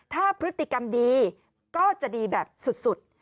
ถ้าพฤติกรรมดีก็จะดีแบบสุด